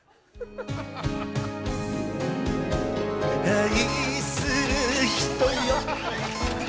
愛する人よ。